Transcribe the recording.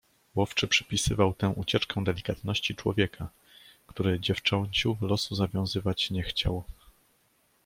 "Łowczy przypisywał tę ucieczkę delikatności człowieka, który dziewczęciu losu zawiązywać nie chciał."